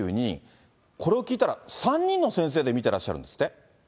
これを聞いたら３人の先生で診てらっしゃるんですって？